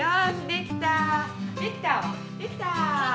できた！